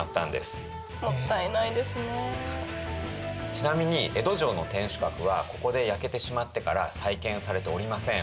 ちなみに江戸城の天守閣はここで焼けてしまってから再建されておりません。